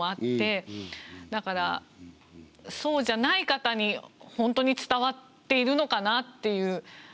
だからそうじゃない方に本当に伝わっているのかなっていう。